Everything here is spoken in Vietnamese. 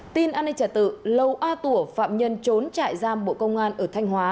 tin an ninh trả tự lầu a tủa phạm nhân trốn trại giam bộ công an ở thanh hóa